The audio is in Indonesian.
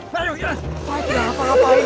pak itu apa apaan